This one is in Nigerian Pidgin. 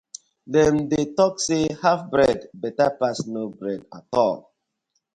Dem dey tok say haf bread betta pass no bread atol.